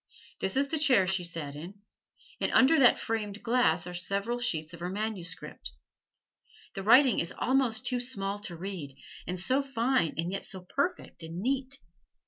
This is the chair she sat in, and under that framed glass are several sheets of her manuscript. The writing is almost too small to read; and so fine and yet so perfect and neat!